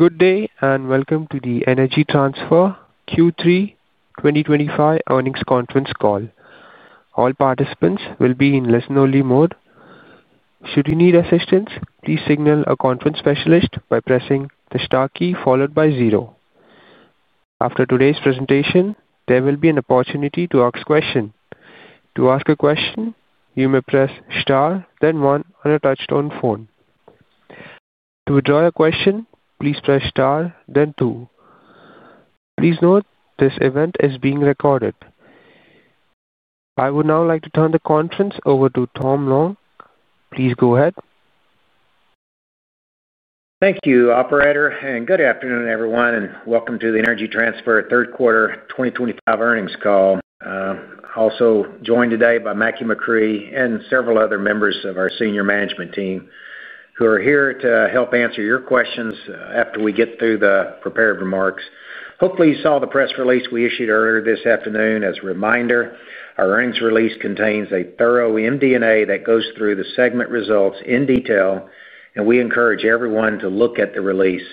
Good day and welcome to the Energy Transfer Q3 2025 earnings conference call. All participants will be in listen-only mode. Should you need assistance, please signal a conference specialist by pressing the star key followed by zero. After today's presentation, there will be an opportunity to ask questions. To ask a question, you may press star, then one on a touchstone phone. To withdraw your question, please press star, then two. Please note this event is being recorded. I would now like to turn the conference over to Tom Long. Please go ahead. Thank you, operator. Good afternoon, everyone, and welcome to the Energy Transfer third quarter 2025 earnings call. Also joined today by Mackie McCrea and several other members of our senior management team who are here to help answer your questions after we get through the prepared remarks. Hopefully, you saw the press release we issued earlier this afternoon. As a reminder, our earnings release contains a thorough MD&A that goes through the segment results in detail, and we encourage everyone to look at the release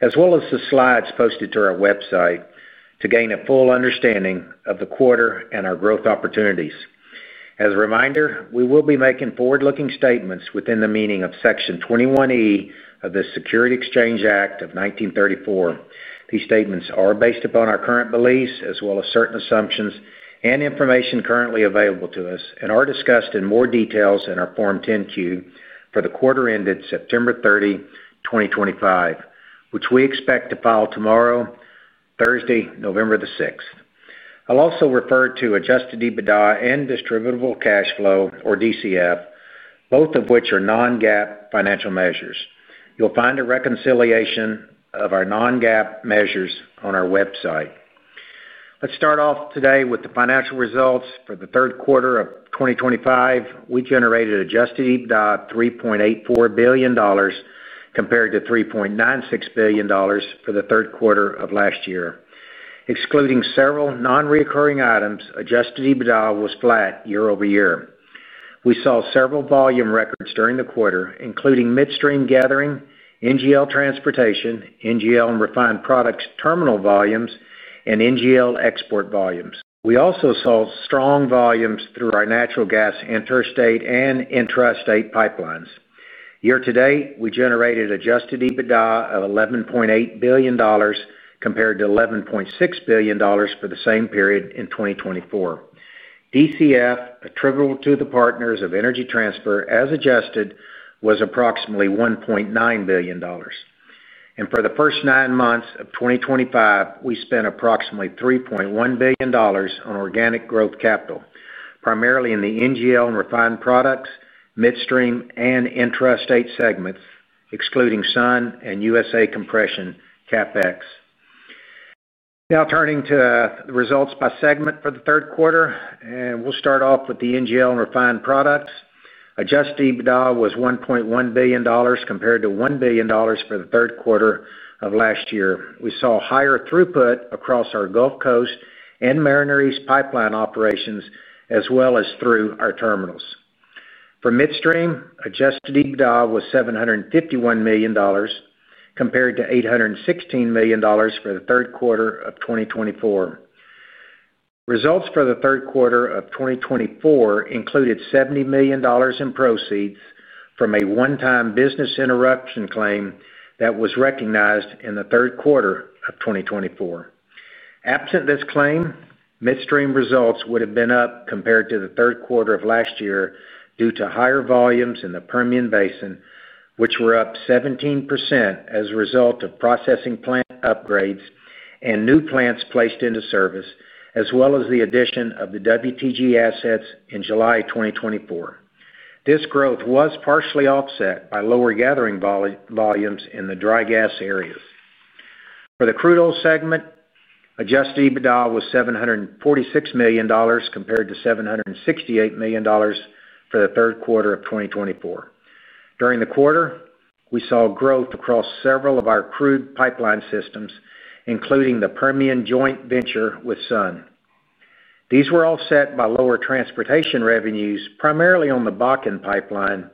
as well as the slides posted to our website to gain a full understanding of the quarter and our growth opportunities. As a reminder, we will be making forward-looking statements within the meaning of Section 21E of the Securities Exchange Act of 1934. These statements are based upon our current beliefs as well as certain assumptions and information currently available to us and are discussed in more detail in our Form 10-Q for the quarter ended September 30, 2025, which we expect to file tomorrow, Thursday, November the 6th. I'll also refer to adjusted EBITDA and Distributable Cash Flow, or DCF, both of which are non-GAAP financial measures. You'll find a reconciliation of our non-GAAP measures on our website. Let's start off today with the financial results for the third quarter of 2025. We generated adjusted EBITDA of $3.84 billion, compared to $3.96 billion for the third quarter of last year. Excluding several non-recurring items, adjusted EBITDA was flat year-over-year. We saw several volume records during the quarter, including midstream gathering, NGL transportation, NGL and refined products terminal volumes, and NGL export volumes. We also saw strong volumes through our natural gas interstate and intrastate pipelines. Year to date, we generated adjusted EBITDA of $11.8 billion compared to $11.6 billion for the same period in 2024. DCF attributable to the partners of Energy Transfer as adjusted was approximately $1.9 billion. For the first nine months of 2025, we spent approximately $3.1 billion on organic growth capital, primarily in the NGL and refined products, midstream, and intrastate segments, excluding SUN and USA Compression CapEx. Now turning to the results by segment for the third quarter, we will start off with the NGL and refined products. Adjusted EBITDA was $1.1 billion compared to $1 billion for the third quarter of last year. We saw higher throughput across our Gulf Coast and Mariner East pipeline operations as well as through our terminals. For midstream, adjusted EBITDA was $751 million compared to $816 million for the third quarter of 2024. Results for the third quarter of 2024 included $70 million in proceeds from a one-time business interruption claim that was recognized in the third quarter of 2024. Absent this claim, midstream results would have been up compared to the third quarter of last year due to higher volumes in the Permian Basin, which were up 17% as a result of processing plant upgrades and new plants placed into service, as well as the addition of the WTG assets in July 2024. This growth was partially offset by lower gathering volumes in the dry gas areas. For the crude oil segment, adjusted EBITDA was $746 million compared to $768 million for the third quarter of 2024. During the quarter, we saw growth across several of our crude pipeline systems, including the Permian joint venture with SUN. These were offset by lower transportation revenues, primarily on the Bakken Pipeline,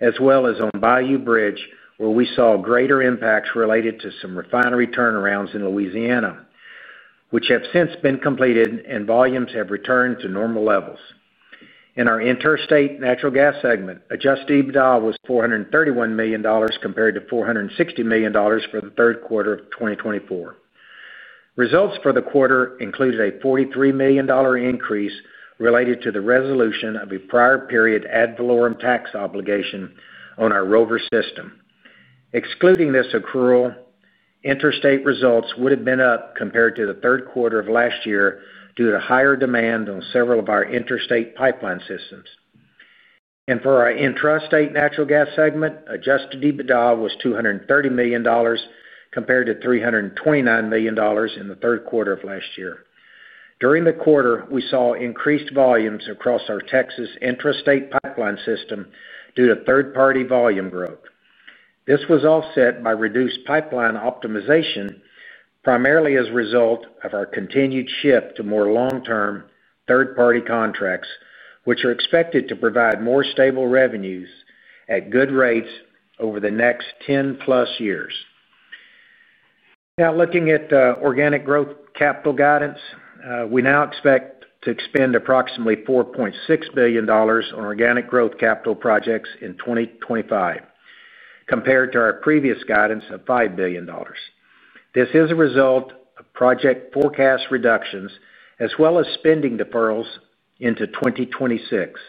as well as on Bayou Bridge, where we saw greater impacts related to some refinery turnarounds in Louisiana, which have since been completed and volumes have returned to normal levels. In our interstate natural gas segment, adjusted EBITDA was $431 million compared to $460 million for the third quarter of 2024. Results for the quarter included a $43 million increase related to the resolution of a prior period ad valorem tax obligation on our Rover System. Excluding this accrual, interstate results would have been up compared to the third quarter of last year due to higher demand on several of our interstate pipeline systems. For our intrastate natural gas segment, adjusted EBITDA was $230 million compared to $329 million in the third quarter of last year. During the quarter, we saw increased volumes across our Texas intrastate pipeline system due to third-party volume growth. This was offset by reduced pipeline optimization, primarily as a result of our continued shift to more long-term third-party contracts, which are expected to provide more stable revenues at good rates over the next 10+ years. Now, looking at the organic growth capital guidance, we now expect to expend approximately $4.6 billion on organic growth capital projects in 2025, compared to our previous guidance of $5 billion. This is a result of project forecast reductions as well as spending deferrals into 2026.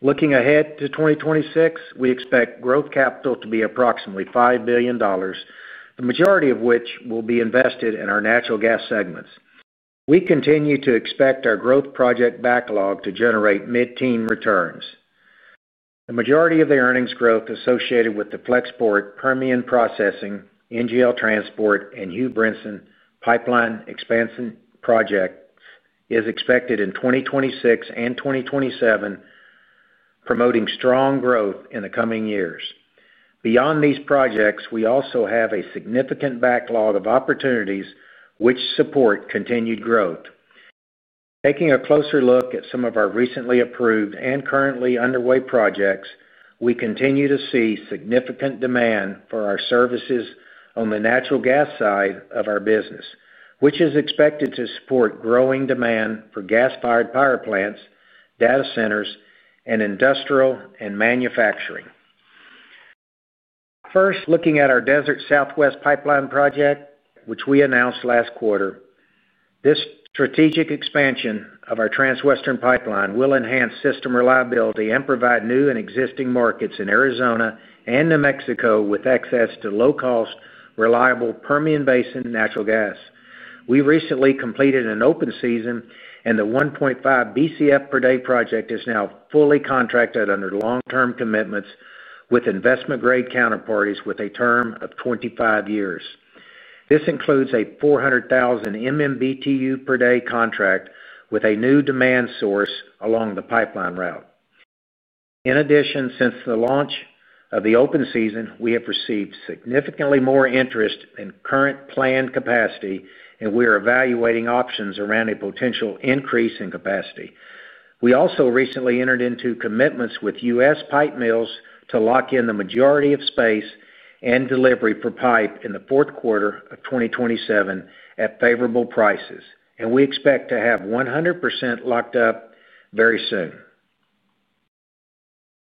Looking ahead to 2026, we expect growth capital to be approximately $5 billion, the majority of which will be invested in our natural gas segments. We continue to expect our growth project backlog to generate mid-teen returns. The majority of the earnings growth associated with the Flexport Permian processing, NGL transport and Hugh Brinson Pipeline Expansion Project is expected in 2026 and 2027, promoting strong growth in the coming years. Beyond these projects, we also have a significant backlog of opportunities which support continued growth. Taking a closer look at some of our recently approved and currently underway projects, we continue to see significant demand for our services on the natural gas side of our business, which is expected to support growing demand for gas-fired power plants, data centers, and industrial and manufacturing. First, looking at our Desert Southwest pipeline project, which we announced last quarter, this strategic expansion of our Transwestern Pipeline will enhance system reliability and provide new and existing markets in Arizona and New Mexico with access to low-cost, reliable Permian Basin natural gas. We recently completed an open season, and the 1.5 Bcf per day project is now fully contracted under long-term commitments with investment-grade counterparties with a term of 25 years. This includes a $400,000 MMBtu per day contract with a new demand source along the pipeline route. In addition, since the launch of the open season, we have received significantly more interest in current planned capacity, and we are evaluating options around a potential increase in capacity. We also recently entered into commitments with U.S. pipe mills to lock in the majority of space and delivery for pipe in the fourth quarter of 2027 at favorable prices, and we expect to have 100% locked up very soon.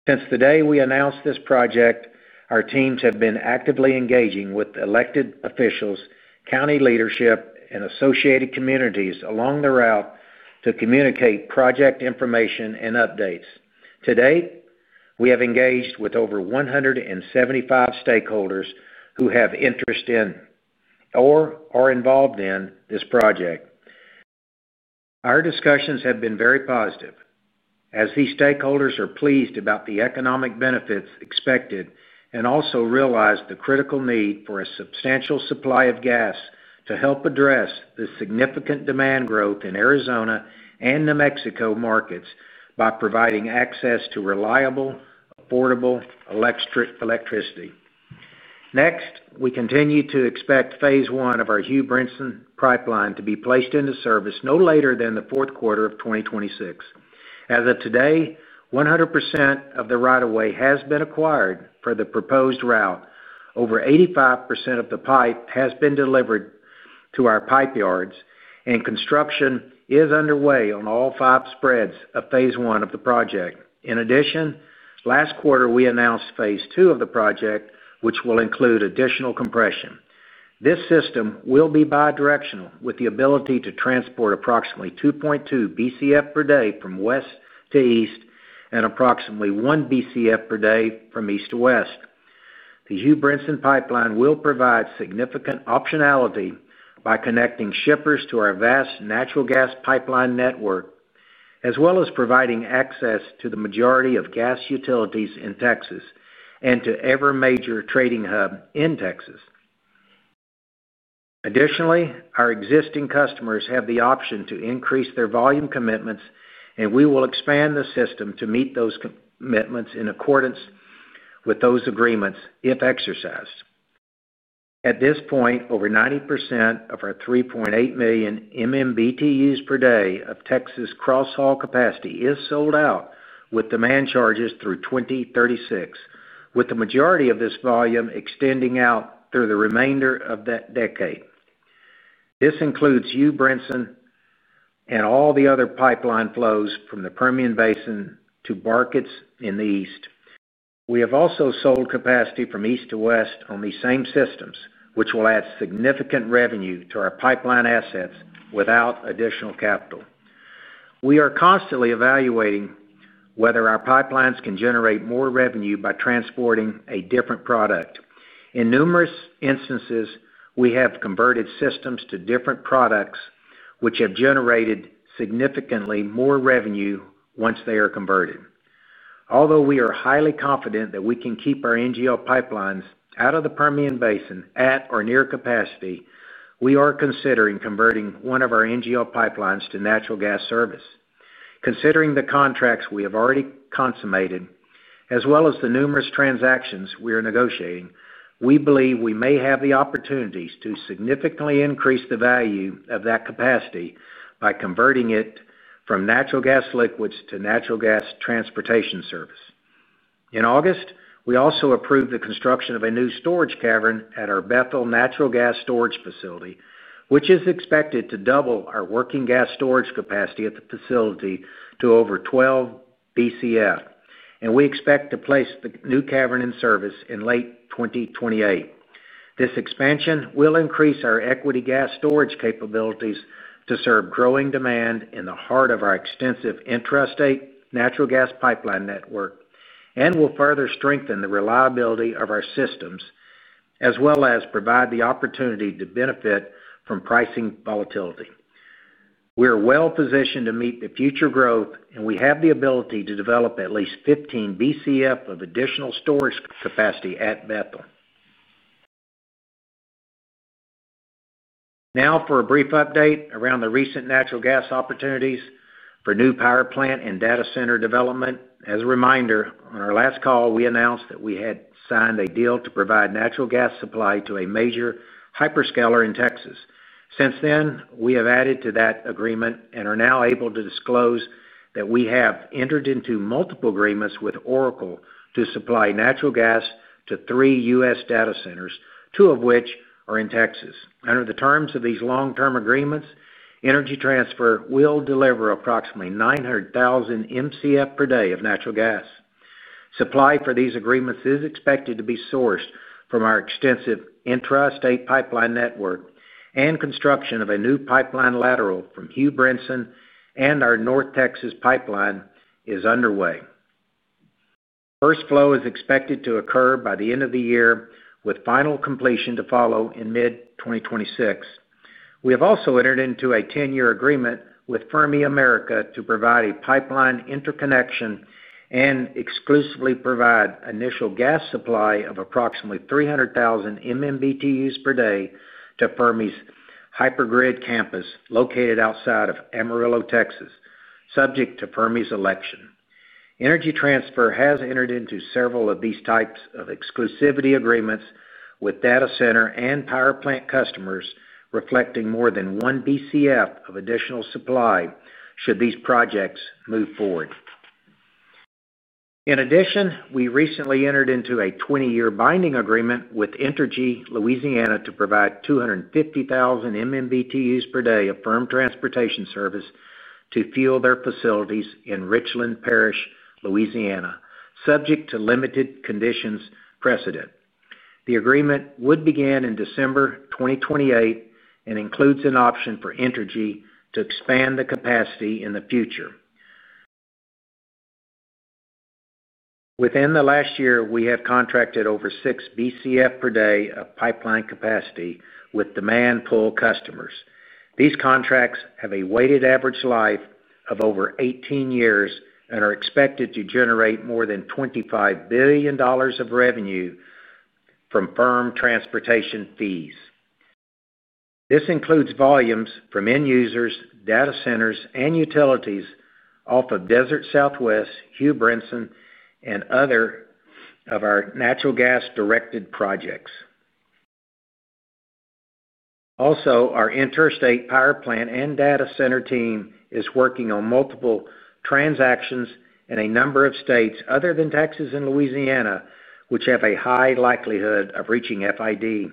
Since the day we announced this project, our teams have been actively engaging with elected officials, county leadership, and associated communities along the route to communicate project information and updates. To date, we have engaged with over 175 stakeholders who have interest in or are involved in this project. Our discussions have been very positive, as these stakeholders are pleased about the economic benefits expected and also realize the critical need for a substantial supply of gas to help address the significant demand growth in Arizona and New Mexico markets by providing access to reliable, affordable electricity. Next, we continue to expect phase I of our Hugh Brinson Pipeline to be placed into service no later than the fourth quarter of 2026. As of today, 100% of the right-of-way has been acquired for the proposed route. Over 85% of the pipe has been delivered to our pipe yards, and construction is underway on all five spreads of phase I of the project. In addition, last quarter, we announced phase II of the project, which will include additional compression. This system will be bi-directional, with the ability to transport approximately 2.2 Bcf per day from West to East and approximately 1 Bcf per day from East to West. The Hugh Brinson Pipeline will provide significant optionality by connecting shippers to our vast natural gas pipeline network, as well as providing access to the majority of gas utilities in Texas and to every major trading hub in Texas. Additionally, our existing customers have the option to increase their volume commitments, and we will expand the system to meet those commitments in accordance with those agreements if exercised. At this point, over 90% of our 3.8 million MMBtus per day of Texas cross haul capacity is sold out with demand charges through 2036, with the majority of this volume extending out through the remainder of that decade. This includes Hugh Brinson and all the other pipeline flows from the Permian Basin to markets in the East. We have also sold capacity from East to West on these same systems, which will add significant revenue to our pipeline assets without additional capital. We are constantly evaluating whether our pipelines can generate more revenue by transporting a different product. In numerous instances, we have converted systems to different products, which have generated significantly more revenue once they are converted. Although we are highly confident that we can keep our NGL pipelines out of the Permian Basin at or near capacity, we are considering converting one of our NGL pipelines to natural gas service. Considering the contracts we have already consummated, as well as the numerous transactions we are negotiating, we believe we may have the opportunities to significantly increase the value of that capacity by converting it from natural gas liquids to natural gas transportation service. In August, we also approved the construction of a new storage cavern at our Bethel natural gas storage facility, which is expected to double our working gas storage capacity at the facility to over 12 Bcf, and we expect to place the new cavern in service in late 2028. This expansion will increase our equity gas storage capabilities to serve growing demand in the heart of our extensive intrastate natural gas pipeline network and will further strengthen the reliability of our systems, as well as provide the opportunity to benefit from pricing volatility. We are well-positioned to meet the future growth, and we have the ability to develop at least 15 Bcf of additional storage capacity at Bethel. Now, for a brief update around the recent natural gas opportunities for new power plant and data center development, as a reminder, on our last call, we announced that we had signed a deal to provide natural gas supply to a major hyperscaler in Texas. Since then, we have added to that agreement and are now able to disclose that we have entered into multiple agreements with Oracle to supply natural gas to three U.S. data centers, two of which are in Texas. Under the terms of these long-term agreements, Energy Transfer will deliver approximately 900,000 Mcf per day of natural gas. Supply for these agreements is expected to be sourced from our extensive intrastate pipeline network, and construction of a new pipeline lateral from Hugh Brinson and our North Texas pipeline is underway. First flow is expected to occur by the end of the year, with final completion to follow in mid-2026. We have also entered into a 10-year agreement with Fermi America to provide a pipeline interconnection and exclusively provide initial gas supply of approximately 300,000 MMBtu per day to Fermi's HyperGrid campus located outside of Amarillo, Texas, subject to 's election. Energy Transfer has entered into several of these types of exclusivity agreements with data center and power plant customers, reflecting more than 1 Bcf of additional supply should these projects move forward. In addition, we recently entered into a 20-year binding agreement with Entergy Louisiana to provide 250,000 MMBtu per day of firm transportation service to fuel their facilities in Richland Parish, Louisiana, subject to limited conditions precedent. The agreement would begin in December 2028 and includes an option for Entergy to expand the capacity in the future. Within the last year, we have contracted over 6 Bcf per day of pipeline capacity with demand pull customers. These contracts have a weighted average life of over 18 years and are expected to generate more than $25 billion of revenue from firm transportation fees. This includes volumes from end users, data centers, and utilities off of Desert Southwest, Hugh Brinson, and other of our natural gas directed projects. Also, our interstate power plant and data center team is working on multiple transactions in a number of states other than Texas and Louisiana, which have a high likelihood of reaching FID.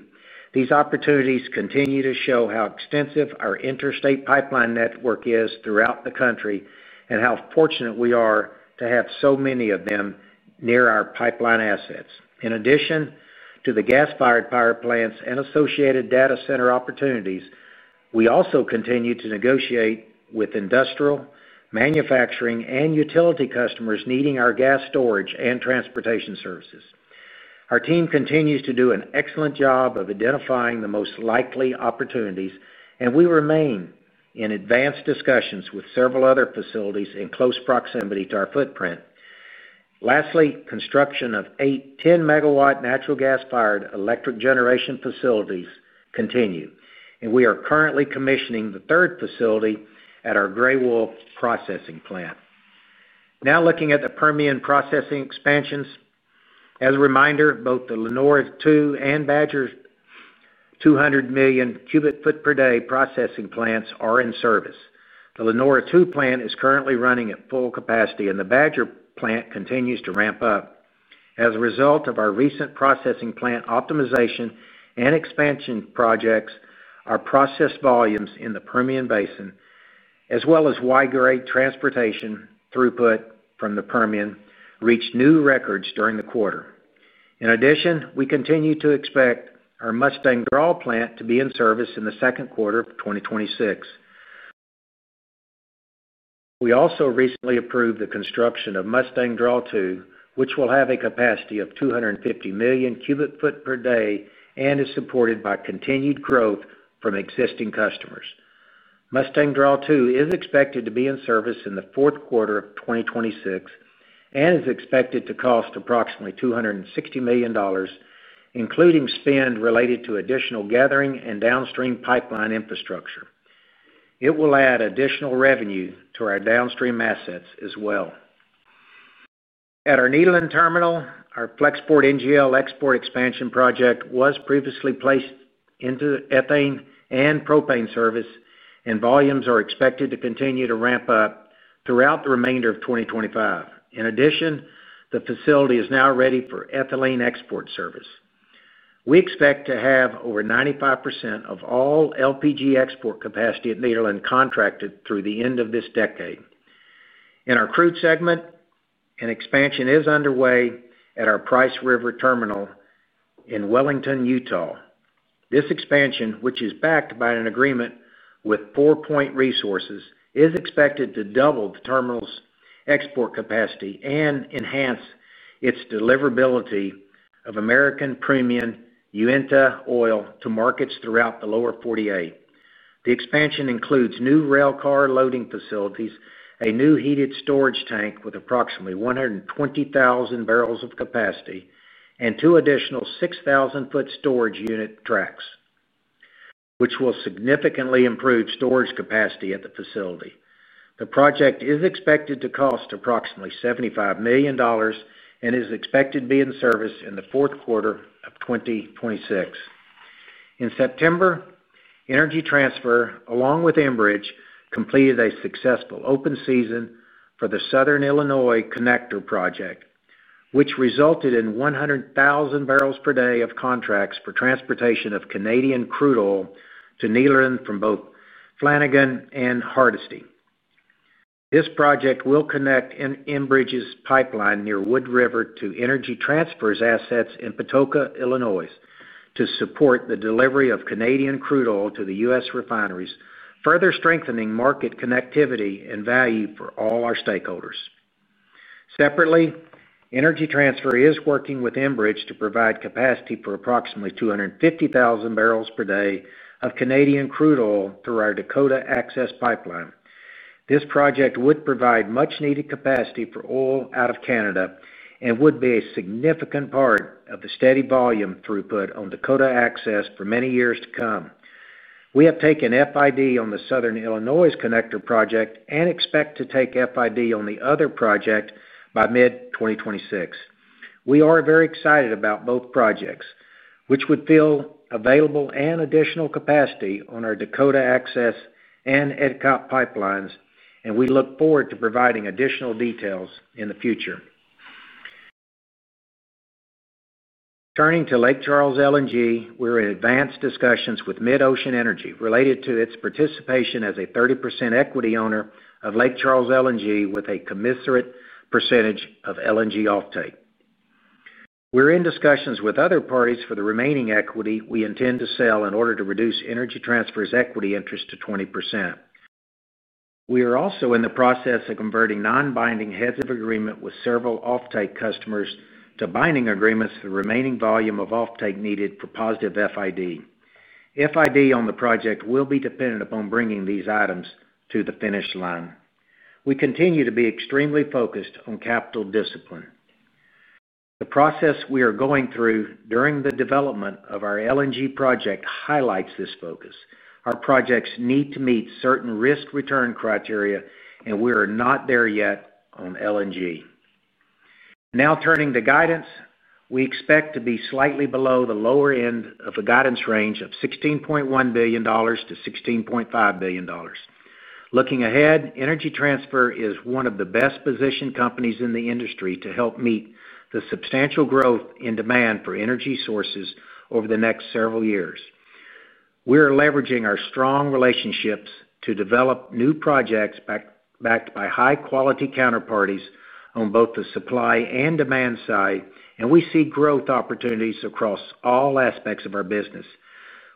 These opportunities continue to show how extensive our interstate pipeline network is throughout the country and how fortunate we are to have so many of them near our pipeline assets. In addition to the gas-fired power plants and associated data center opportunities, we also continue to negotiate with industrial, manufacturing, and utility customers needing our gas storage and transportation services. Our team continues to do an excellent job of identifying the most likely opportunities, and we remain in advanced discussions with several other facilities in close proximity to our footprint. Lastly, construction of eight 10 MW natural gas-fired electric generation facilities continues, and we are currently commissioning the third facility at our Grey Wolf processing plant. Now, looking at the Permian processing expansions, as a reminder, both the Lenorah II and Badger 200 million cubic foot per day processing plants are in service. The Lenorah II plant is currently running at full capacity, and the Badger plant continues to ramp up. As a result of our recent processing plant optimization and expansion projects, our process volumes in the Permian Basin, as well as Y-grade transportation throughput from the Permian, reached new records during the quarter. In addition, we continue to expect our Mustang Draw plant to be in service in the second quarter of 2026. We also recently approved the construction of Mustang Draw II, which will have a capacity of 250 million cubic foot per day and is supported by continued growth from existing customers. Mustang Draw II is expected to be in service in the fourth quarter of 2026 and is expected to cost approximately $260 million, including spend related to additional gathering and downstream pipeline infrastructure. It will add additional revenue to our downstream assets as well. At our Nederland terminal, our Flexport NGL Export Expansion Project was previously placed into ethane and propane service, and volumes are expected to continue to ramp up throughout the remainder of 2025. In addition, the facility is now ready for ethylene export service. We expect to have over 95% of all LPG export capacity at Nederland contracted through the end of this decade. In our crude segment, an expansion is underway at our Price River Terminal in Wellington, Utah. This expansion, which is backed by an agreement with FourPoint Resources, is expected to double the terminal's export capacity and enhance its deliverability of American Premium Uinta oil to markets throughout the lower 48. The expansion includes new railcar loading facilities, a new heated storage tank with approximately 120,000 barrels of capacity, and two additional 6,000-ft storage unit tracks, which will significantly improve storage capacity at the facility. The project is expected to cost approximately $75 million. It is expected to be in service in the fourth quarter of 2026. In September, Energy Transfer, along with Enbridge, completed a successful open season for the Southern Illinois Connector project, which resulted in 100,000 barrels per day of contracts for transportation of Canadian crude oil to Nederland from both Flanagan and Hardisty. This project will connect Enbridge's pipeline near Wood River to Energy Transfer's assets in Patoka, Illinois, to support the delivery of Canadian crude oil to U.S. refineries, further strengthening market connectivity and value for all our stakeholders. Separately, Energy Transfer is working with Enbridge to provide capacity for approximately 250,000 barrels per day of Canadian crude oil through our Dakota Access Pipeline. This project would provide much-needed capacity for oil out of Canada and would be a significant part of the steady volume throughput on Dakota Access for many years to come. We have taken FID on the Southern Illinois Connector Project and expect to take FID on the other project by mid-2026. We are very excited about both projects, which would fill available and additional capacity on our Dakota Access and ETCOP pipelines, and we look forward to providing additional details in the future. Turning to Lake Charles LNG, we're in advanced discussions with MidOcean Energy related to its participation as a 30% equity owner of Lake Charles LNG with a commissary percentage of LNG offtake. We're in discussions with other parties for the remaining equity we intend to sell in order to reduce Energy Transfer's equity interest to 20%. We are also in the process of converting non-binding heads of agreement with several offtake customers to binding agreements for the remaining volume of offtake needed for positive FID. FID on the project will be dependent upon bringing these items to the finish line. We continue to be extremely focused on capital discipline. The process we are going through during the development of our LNG project highlights this focus. Our projects need to meet certain risk return criteria, and we are not there yet on LNG. Now, turning to guidance, we expect to be slightly below the lower end of a guidance range of $16.1 billion-$16.5 billion. Looking ahead, Energy Transfer is one of the best-positioned companies in the industry to help meet the substantial growth in demand for energy sources over the next several years. We are leveraging our strong relationships to develop new projects backed by high-quality counterparties on both the supply and demand side, and we see growth opportunities across all aspects of our business.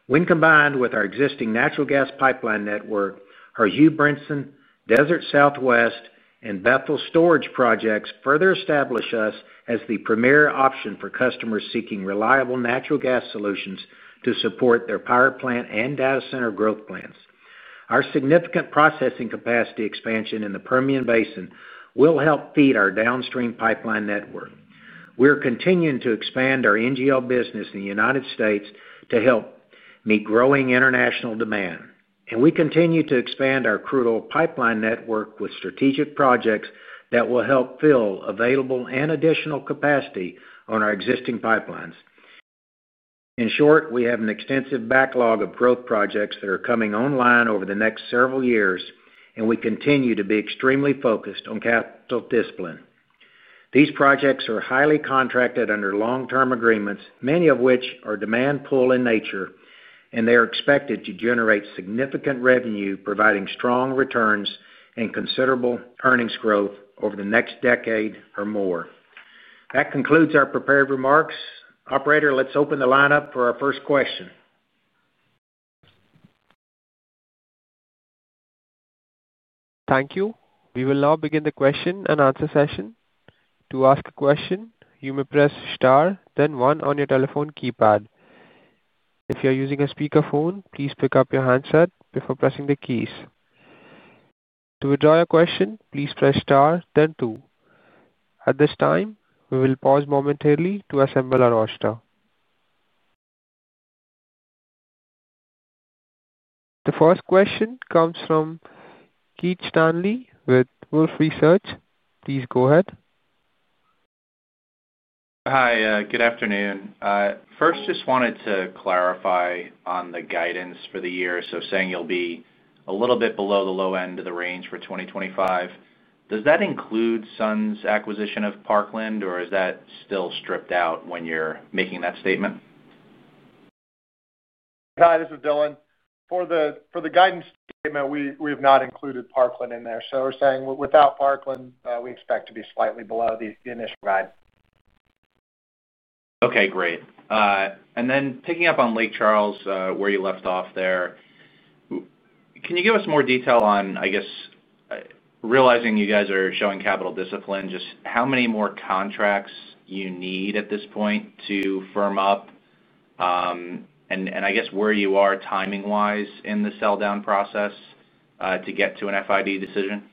When combined with our existing natural gas pipeline network, our Hugh Brinson, Desert Southwest, and Bethel storage projects further establish us as the premier option for customers seeking reliable natural gas solutions to support their power plant and data center growth plans. Our significant processing capacity expansion in the Permian Basin will help feed our downstream pipeline network. We are continuing to expand our NGL business in the United States to help meet growing international demand, and we continue to expand our crude oil pipeline network with strategic projects that will help fill available and additional capacity on our existing pipelines. In short, we have an extensive backlog of growth projects that are coming online over the next several years, and we continue to be extremely focused on capital discipline. These projects are highly contracted under long-term agreements, many of which are demand pull in nature, and they are expected to generate significant revenue, providing strong returns and considerable earnings growth over the next decade or more. That concludes our prepared remarks. Operator, let's open the lineup for our first question. Thank you. We will now begin the question-and-answer session. To ask a question, you may press star, then one on your telephone keypad. If you're using a speakerphone, please pick up your handset before pressing the keys. To withdraw your question, please press star, then two. At this time, we will pause momentarily to assemble our roster. The first question comes from Keith Stanley with Wolfe Research. Please go ahead. Hi, good afternoon. First, just wanted to clarify on the guidance for the year. So saying you'll be a little bit below the low end of the range for 2025, does that include SUN's acquisition of Parkland, or is that still stripped out when you're making that statement? Hi, this is Dylan. For the guidance statement, we have not included Parkland in there. So we're saying without Parkland, we expect to be slightly below the initial guide. Okay, great. And then picking up on Lake Charles, where you left off there, can you give us more detail on, I guess realizing you guys are showing capital discipline, just how many more contracts you need at this point to firm up. I guess where you are timing-wise in the sell-down process to get to an FID decision?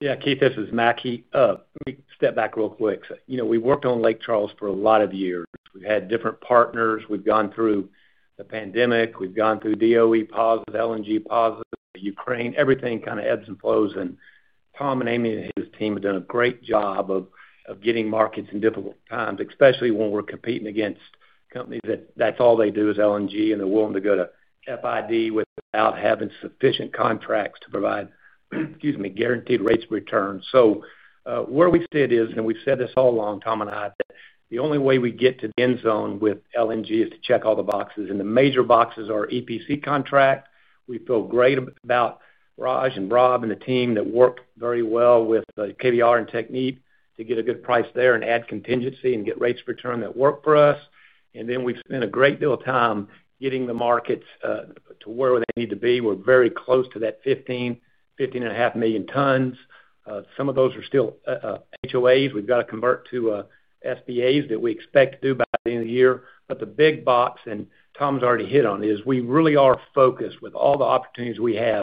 Yeah, Keith, this is Mackie. Let me step back real quick. We worked on Lake Charles for a lot of years. We've had different partners. We've gone through the pandemic. We've gone through DOE positive, LNG positive, Ukraine, everything kind of ebbs and flows. Tom and Amy and his team have done a great job of getting markets in difficult times, especially when we're competing against companies that that's all they do is LNG, and they're willing to go to FID without having sufficient contracts to provide, excuse me, guaranteed rates of return. Where we stand is, and we've said this all along, Tom and I, that the only way we get to the end zone with LNG is to check all the boxes. The major boxes are EPC contract. We feel great about Raj and Rob and the team that worked very well with KBR and Technip to get a good price there and add contingency and get rates of return that work for us. We've spent a great deal of time getting the markets to where they need to be. We're very close to that 15 million, 15.5 million tons. Some of those are still HOAs. We've got to convert to SPAs that we expect to do by the end of the year. The big box, and Tom's already hit on, is we really are focused with all the opportunities we have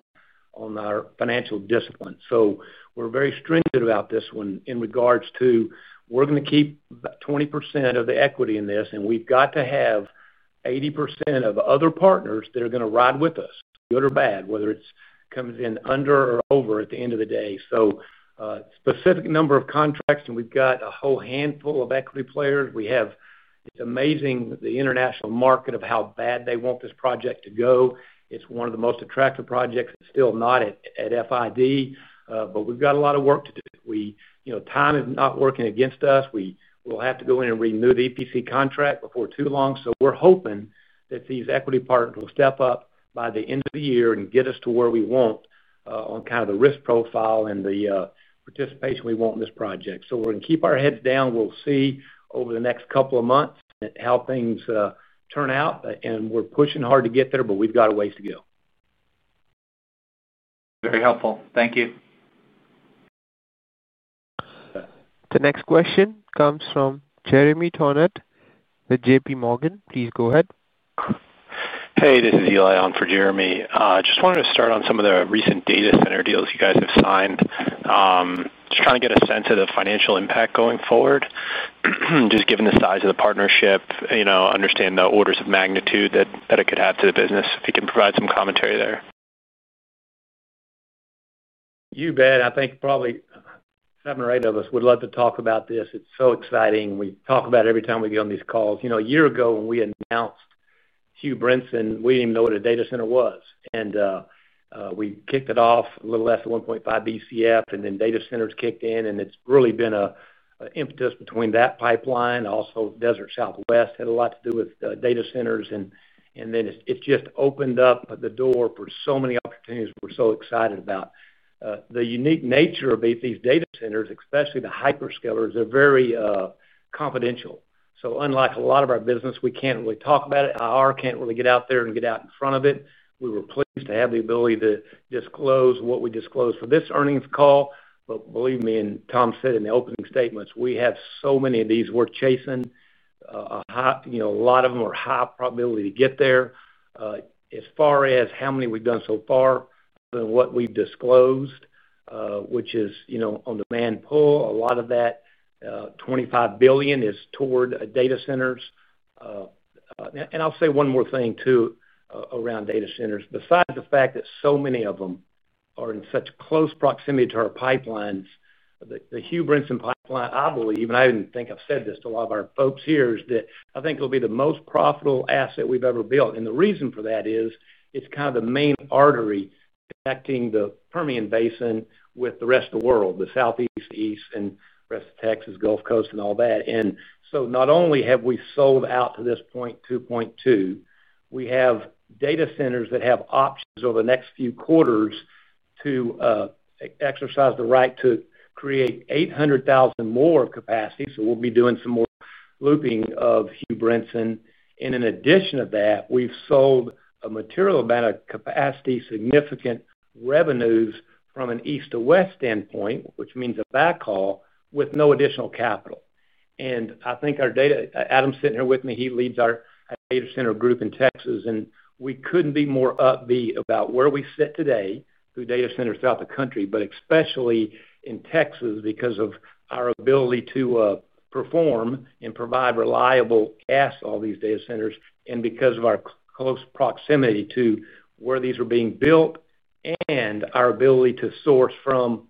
on our financial discipline. We are very stringent about this one in regards to we're going to keep 20% of the equity in this, and we've got to have 80% of other partners that are going to ride with us, good or bad, whether it comes in under or over at the end of the day. Specific number of contracts, and we've got a whole handful of equity players. It's amazing the international market of how bad they want this project to go. It's one of the most attractive projects. It's still not at FID, but we've got a lot of work to do. Time is not working against us. We'll have to go in and renew the EPC contract before too long. We're hoping that these equity partners will step up by the end of the year and get us to where we want on kind of the risk profile and the participation we want in this project. We're going to keep our heads down. We'll see over the next couple of months how things turn out. We're pushing hard to get there, but we've got a ways to go. Very helpful. Thank you. The next question comes from Jeremy Tonet with JPMorgan. Please go ahead. Hey, this is Eli on for Jeremy. Just wanted to start on some of the recent data center deals you guys have signed. Just trying to get a sense of the financial impact going forward. Just given the size of the partnership, understand the orders of magnitude that it could have to the business. If you can provide some commentary there. You bet. I think probably seven or eight of us would love to talk about this. It's so exciting. We talk about it every time we get on these calls. A year ago when we announced Hugh Brinson, we didn't even know what a data center was. We kicked it off a little less than 1.5 Bcf, and then data centers kicked in, and it's really been an impetus between that pipeline. Also, Desert Southwest had a lot to do with data centers, and it just opened up the door for so many opportunities we're so excited about. The unique nature of these data centers, especially the hyperscalers, they're very confidential. So unlike a lot of our business, we can't really talk about it. [IR] can't really get out there and get out in front of it. We were pleased to have the ability to disclose what we disclosed for this earnings call. Believe me, and Tom said in the opening statements, we have so many of these we're chasing. A lot of them are high probability to get there. As far as how many we've done so far than what we've disclosed, which is on demand pull, a lot of that. $25 billion is toward data centers. I'll say one more thing too around data centers. Besides the fact that so many of them are in such close proximity to our pipelines, the Hugh Brinson Pipeline, I believe, and I even think I've said this to a lot of our folks here, is that I think it'll be the most profitable asset we've ever built. The reason for that is it's kind of the main artery connecting the Permian Basin with the rest of the world, the Southeast, East, and the rest of Texas, Gulf Coast, and all that. Not only have we sold out to this point, 2.2, we have data centers that have options over the next few quarters to exercise the right to create 800,000 more capacity. We'll be doing some more looping of Hugh Brinson. In addition to that, we've sold a material amount of capacity, significant revenues from an East to West standpoint, which means a backhaul with no additional capital. I think our data, Adam's sitting here with me. He leads our data center group in Texas, and we couldn't be more upbeat about where we sit today through data centers throughout the country, but especially in Texas because of our ability to perform and provide reliable gas to all these data centers, and because of our close proximity to where these are being built and our ability to source from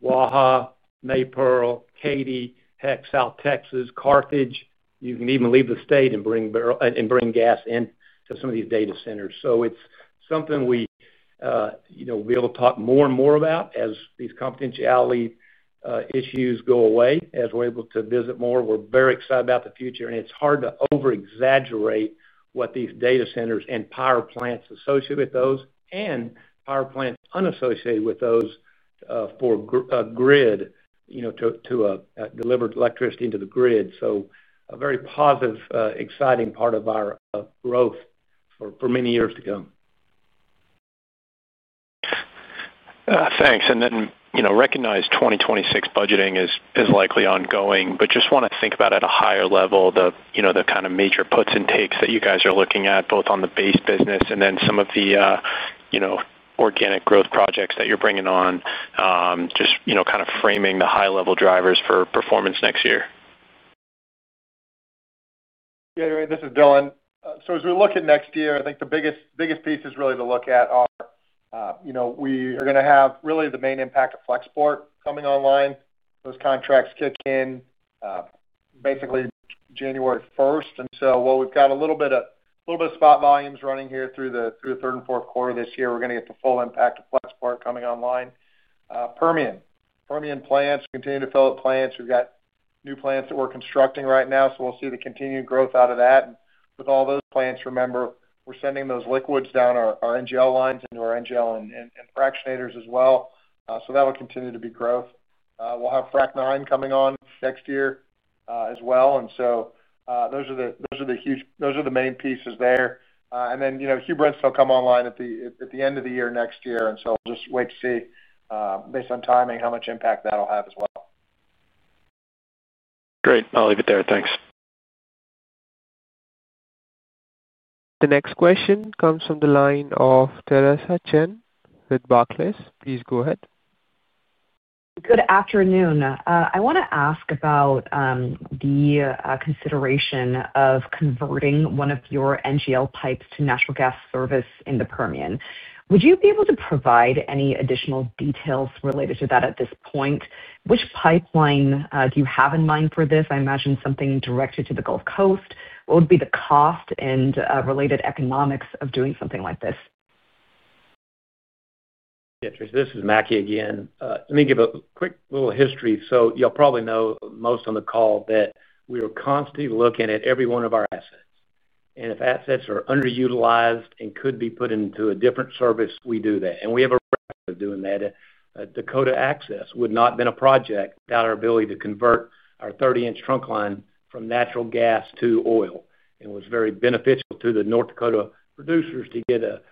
Waha, Maypearl, Katy, heck, South Texas, Carthage, you can even leave the state and bring gas into some of these data centers. It is something we will be able to talk more and more about as these confidentiality issues go away, as we are able to visit more. We are very excited about the future, and it is hard to over-exaggerate what these data centers and power plants associated with those, and power plants unassociated with those, for grid, to deliver electricity into the grid. A very positive, exciting part of our growth for many years to come. Thanks. Recognize 2026 budgeting is likely ongoing, but just want to think about at a higher level the kind of major puts and takes that you guys are looking at, both on the base business and then some of the organic growth projects that you're bringing on. Just kind of framing the high-level drivers for performance next year. Yeah, this is Dylan. As we look at next year, I think the biggest piece is really to look at our, we are going to have really the main impact of Flexport coming online. Those contracts kick in basically January 1. While we've got a little bit of spot volumes running here through the third and fourth quarter this year, we're going to get the full impact of Flexport coming online. Permian plants continue to fill up plants. We've got new plants that we're constructing right now, so we'll see the continued growth out of that. With all those plants, remember, we're sending those liquids down our NGL lines into our NGL and fractionators as well. That will continue to be growth. We'll have Frac IX coming on next year as well. Those are the main pieces there. Hugh Brinson will come online at the end of the year next year. We'll just wait to see, based on timing, how much impact that'll have as well. Great. I'll leave it there. Thanks. The next question comes from the line of Theresa Chen with Barclays. Please go ahead. Good afternoon. I want to ask about the consideration of converting one of your NGL pipes to natural gas service in the Permian. Would you be able to provide any additional details related to that at this point? Which pipeline do you have in mind for this? I imagine something directed to the Gulf Coast. What would be the cost and related economics of doing something like this? Yeah, this is Mackie again. Let me give a quick little history. You will probably know most on the call that we are constantly looking at every one of our assets. If assets are underutilized and could be put into a different service, we do that. We have a record of doing that. Dakota Access would not have been a project without our ability to convert our 30-inch trunk line from natural gas to oil. It was very beneficial to the North Dakota producers to get a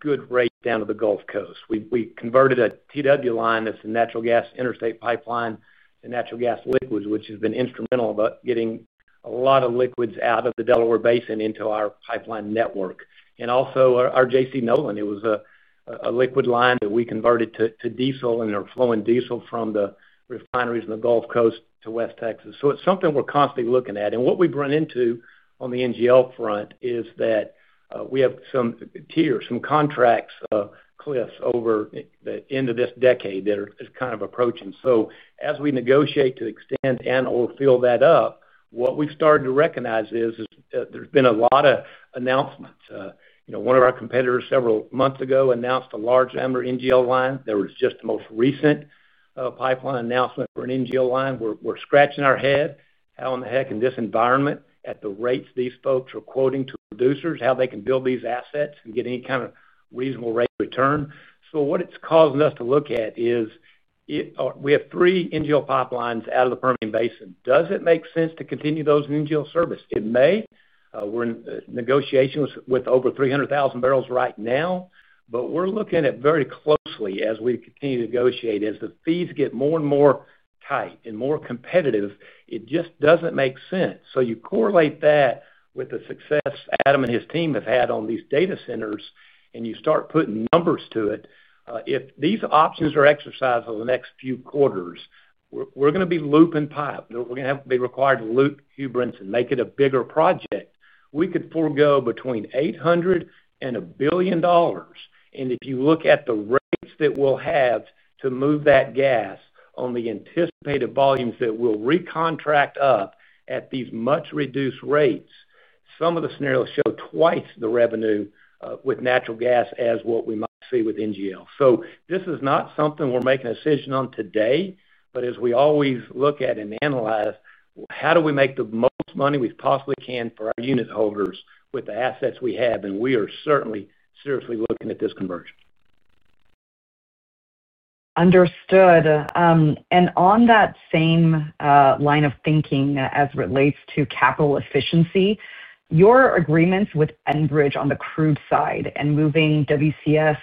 good rate down to the Gulf Coast. We converted a TW line that's a natural gas interstate pipeline to natural gas liquids, which has been instrumental about getting a lot of liquids out of the Delaware Basin into our pipeline network. Also, our J.C. Nolan, it was a liquid line that we converted to diesel and are flowing diesel from the refineries in the Gulf Coast to West Texas. It is something we're constantly looking at. What we've run into on the NGL front is that we have some tiers, some contracts, cliffs, over the end of this decade that are kind of approaching. As we negotiate to extend and/or fill that up, what we've started to recognize is there's been a lot of announcements. One of our competitors several months ago announced a large amount of NGL line. There was just the most recent pipeline announcement for an NGL line. We're scratching our head at how in the heck in this environment, at the rates these folks are quoting to producers, how they can build these assets and get any kind of reasonable rate of return. What it's causing us to look at is, we have three NGL pipelines out of the Permian Basin. Does it make sense to continue those NGL service? It may. We're in negotiations with over 300,000 barrels right now. We're looking at it very closely as we continue to negotiate. As the fees get more and more tight and more competitive, it just doesn't make sense. You correlate that with the success Adam and his team have had on these data centers, and you start putting numbers to it. If these options are exercised over the next few quarters, we're going to be looping pipe. We're going to have to be required to loop Hugh Brinson, make it a bigger project. We could forego between $800 million and $1 billion. If you look at the rates that we'll have to move that gas on the anticipated volumes that we'll recontract up at these much reduced rates, some of the scenarios show 2x the revenue with natural gas as what we might see with NGL. This is not something we're making a decision on today, but as we always look at and analyze, how do we make the most money we possibly can for our unit holders with the assets we have? We are certainly seriously looking at this conversion. Understood. On that same line of thinking as it relates to capital efficiency, your agreements with Enbridge on the crude side and moving WCS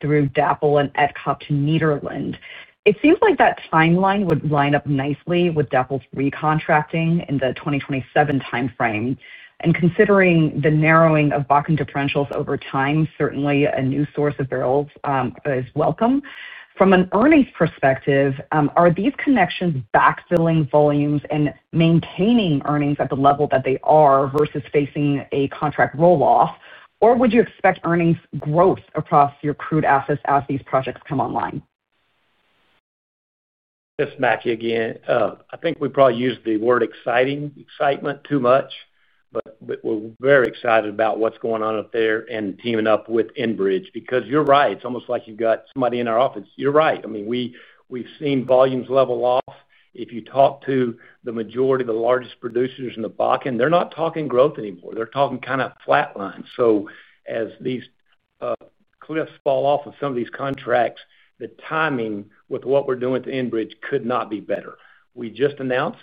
through DAPL and ETCOP to Nederland, it seems like that timeline would line up nicely with DAPL's recontracting in the 2027 timeframe. Considering the narrowing of Bakken differentials over time, certainly a new source of barrels is welcome. From an earnings perspective, are these connections backfilling volumes and maintaining earnings at the level that they are versus facing a contract roll-off, or would you expect earnings growth across your crude assets as these projects come online? This is Mackie again. I think we probably use the word exciting, excitement too much, but we're very excited about what's going on up there and teaming up with Enbridge. Because you're right, it's almost like you've got somebody in our office. You're right. I mean, we've seen volumes level off. If you talk to the majority of the largest producers in the Bakken, they're not talking growth anymore. They're talking kind of flatline. As these cliffs fall off of some of these contracts, the timing with what we're doing with Enbridge could not be better. We just announced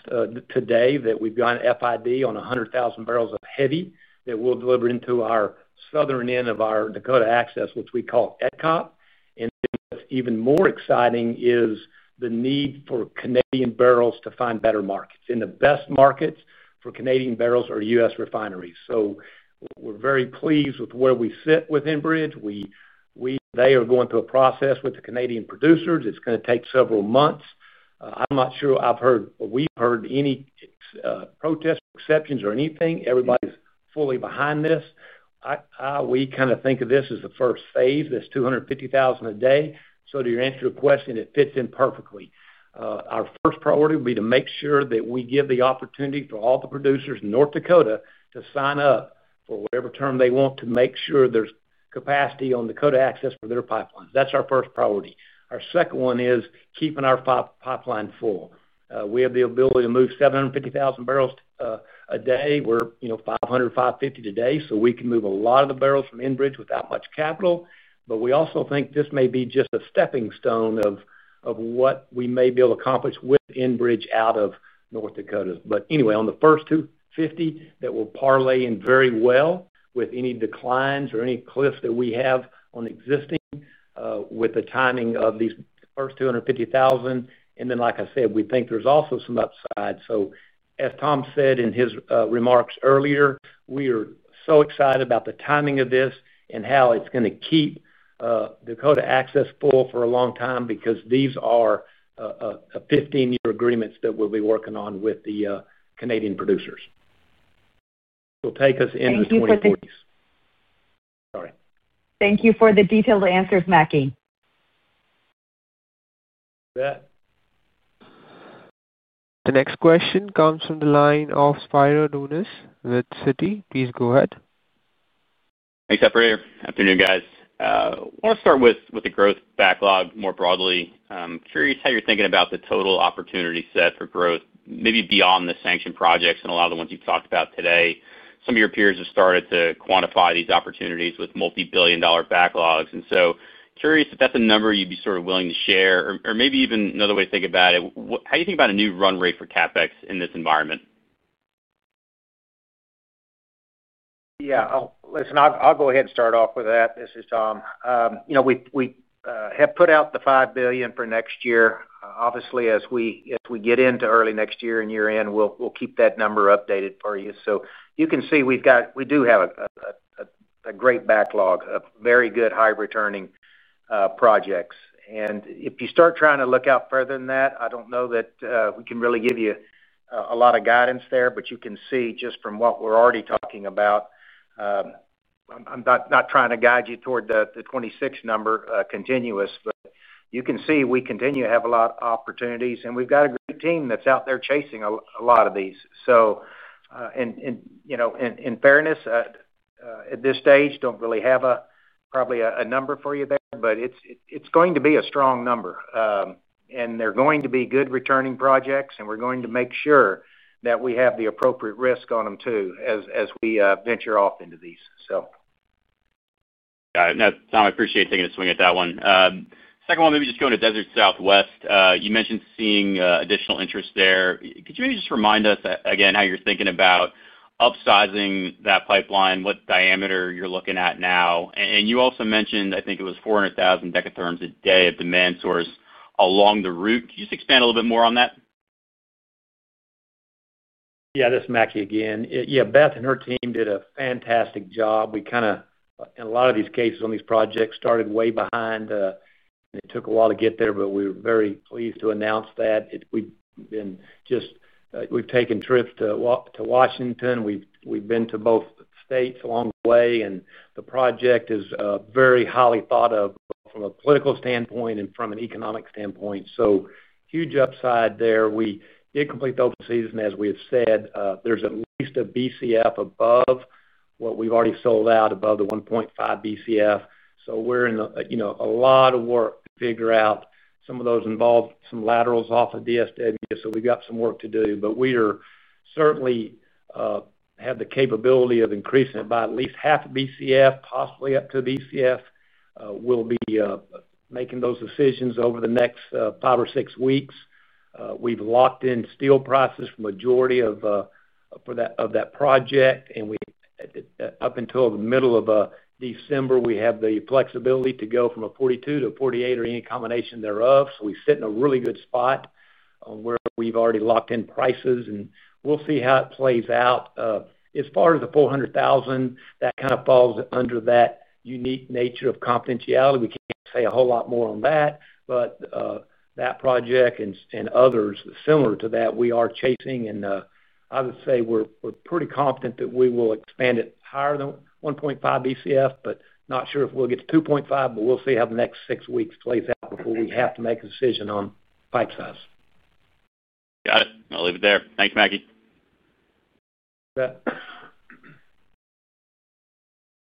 today that we've got an FID on 100,000 barrels of heavy that we'll deliver into our southern end of our Dakota Access, which we call ETCOP. What's even more exciting is the need for Canadian barrels to find better markets. The best markets for Canadian barrels are U.S. refineries. We are very pleased with where we sit with Enbridge. They are going through a process with the Canadian producers. It's going to take several months. I'm not sure I've heard or we've heard any protests, exceptions, or anything. Everybody's fully behind this. We kind of think of this as the first phase. That's 250,000 a day. To answer your question, it fits in perfectly. Our first priority would be to make sure that we give the opportunity for all the producers in North Dakota to sign up for whatever term they want to make sure there's capacity on Dakota Access for their pipelines. That's our first priority. Our second one is keeping our pipeline full. We have the ability to move 750,000 barrels a day. We're 500, 550 today, so we can move a lot of the barrels from Enbridge without much capital. We also think this may be just a stepping stone of what we may be able to accomplish with Enbridge out of North Dakota. Anyway, on the first 250, that will parlay in very well with any declines or any cliffs that we have on existing with the timing of these first 250,000. Then, like I said, we think there's also some upside. As Tom said in his remarks earlier, we are so excited about the timing of this and how it's going to keep Dakota Access full for a long time because these are 15-year agreements that we'll be working on with the Canadian producers. It'll take us into the 2040s. Sorry. Thank you for the detailed answers, Mackie. The next question comes from the line of Spiro Dounis with Citi. Please go ahead. Thanks, operator. Afternoon, guys. I want to start with the growth backlog more broadly. I'm curious how you're thinking about the total opportunity set for growth, maybe beyond the sanction projects and a lot of the ones you've talked about today. Some of your peers have started to quantify these opportunities with multi-billion dollar backlogs. Curious if that's a number you'd be sort of willing to share, or maybe even another way to think about it, how do you think about a new run rate for CapEx in this environment? Yeah. Listen, I'll go ahead and start off with that. This is Tom. We have put out the $5 billion for next year. Obviously, as we get into early next year and year-end, we'll keep that number updated for you. You can see we do have a great backlog of very good high-returning projects. If you start trying to look out further than that, I do not know that we can really give you a lot of guidance there, but you can see just from what we are already talking about. I am not trying to guide you toward the 2026 number continuous, but you can see we continue to have a lot of opportunities. We have got a great team that is out there chasing a lot of these. In fairness, at this stage, do not really have probably a number for you there, but it is going to be a strong number. There are going to be good returning projects, and we are going to make sure that we have the appropriate risk on them too as we venture off into these. Got it. No, Tom, I appreciate taking a swing at that one. Second one, maybe just going to Desert Southwest. You mentioned seeing additional interest there. Could you maybe just remind us again how you're thinking about upsizing that pipeline, what diameter you're looking at now? And you also mentioned, I think it was 400,000 dekatherms a day of demand source along the route. Could you just expand a little bit more on that? Yeah, this is Mackie again. Yeah, Beth and her team did a fantastic job. We kind of, in a lot of these cases on these projects, started way behind. It took a while to get there, but we were very pleased to announce that. We've been just, we've taken trips to Washington. We've been to both states along the way. The project is very highly thought of from a political standpoint and from an economic standpoint. Huge upside there. We did complete the open season, as we have said. There's at least a Bcf above what we've already sold out, above the 1.5 Bcf. We're in a lot of work to figure out some of those involved, some laterals off of DSW. We've got some work to do. We certainly have the capability of increasing it by at least half a Bcf, possibly up to a Bcf. We'll be making those decisions over the next five or six weeks. We've locked in steel prices for the majority of that project. Up until the middle of December, we have the flexibility to go from a 42 to a 48 or any combination thereof. We sit in a really good spot where we've already locked in prices. We'll see how it plays out. As far as the 400,000, that kind of falls under that unique nature of confidentiality. We can't say a whole lot more on that. That project and others similar to that, we are chasing. I would say we're pretty confident that we will expand it higher than 1.5 Bcf, but not sure if we'll get to 2.5, but we'll see how the next six weeks play out before we have to make a decision on pipe size. Got it. I'll leave it there. Thanks, Mackie. The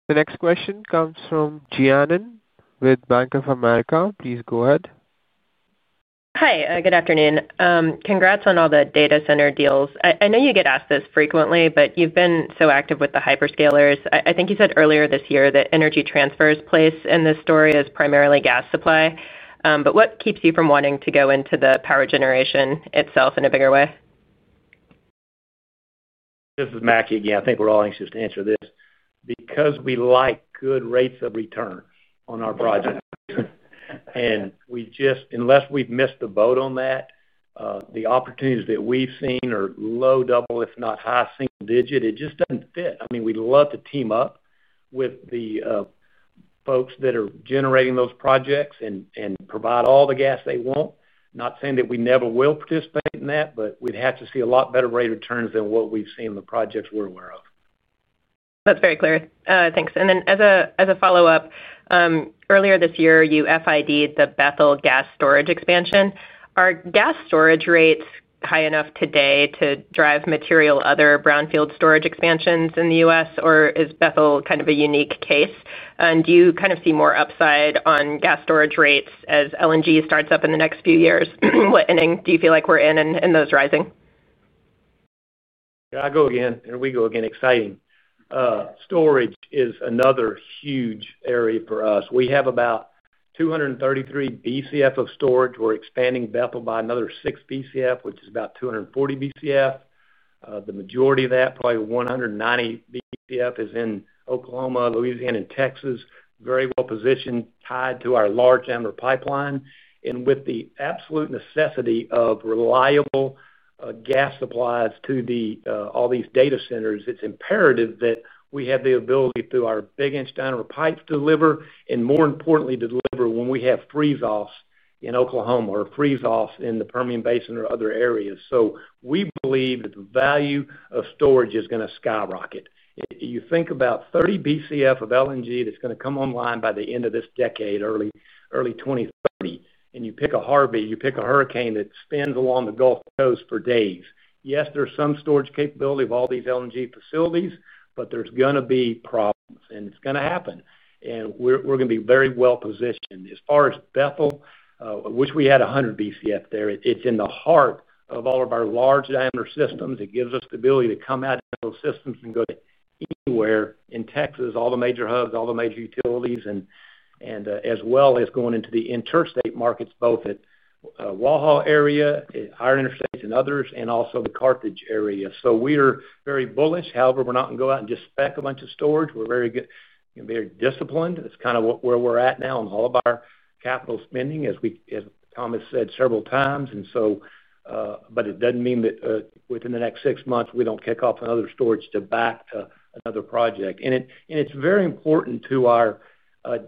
next question comes from Jean Ann with Bank of America. Please go ahead. Hi. Good afternoon. Congrats on all the data center deals. I know you get asked this frequently, but you've been so active with the hyperscalers. I think you said earlier this year that Energy Transfer's place in this story is primarily gas supply. What keeps you from wanting to go into the power generation itself in a bigger way? This is Mackie again. I think we're all anxious to answer this. Because we like good rates of return on our projects. Unless we've missed the boat on that, the opportunities that we've seen are low double, if not high single digit. It just doesn't fit. I mean, we'd love to team up with the folks that are generating those projects and provide all the gas they want. Not saying that we never will participate in that, but we'd have to see a lot better rate of returns than what we've seen in the projects we're aware of. That's very clear. Thanks. As a follow-up, earlier this year, you FID'd the Bethel gas storage expansion. Are gas storage rates high enough today to drive material other brownfield storage expansions in the U.S., or is Bethel kind of a unique case? Do you kind of see more upside on gas storage rates as LNG starts up in the next few years? What ending do you feel like we're in and those rising? Yeah, I go again. Here we go again. Exciting. Storage is another huge area for us. We have about 233 Bcf of storage. We're expanding Bethel by another 6 Bcf, which is about 240 Bcf. The majority of that, probably 190 Bcf, is in Oklahoma, Louisiana, and Texas. Very well positioned, tied to our large downward pipeline. With the absolute necessity of reliable gas supplies to all these data centers, it's imperative that we have the ability through our big inch downward pipes to deliver, and more importantly, to deliver when we have freeze-offs in Oklahoma or freeze-offs in the Permian Basin or other areas. We believe that the value of storage is going to skyrocket. You think about 30 Bcf of LNG that's going to come online by the end of this decade, early 2030, and you pick a Harvey, you pick a hurricane that spins along the Gulf Coast for days. Yes, there's some storage capability of all these LNG facilities, but there's going to be problems. It's going to happen. We're going to be very well positioned. As far as Bethel, which we had 100 Bcf there, it's in the heart of all of our large diameter systems. It gives us the ability to come out of those systems and go to anywhere in Texas, all the major hubs, all the major utilities, as well as going into the interstate markets, both at Waha area, our interstates and others, and also the Carthage area. We're very bullish. However, we're not going to go out and just spec a bunch of storage. We're very disciplined. It's kind of where we're at now in all of our capital spending, as Thomas said several times. It doesn't mean that within the next six months, we don't kick off another storage to back another project. It's very important to our